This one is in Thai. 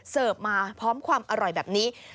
เสิร์ฟมาพร้อมความอร่อยแบบนี้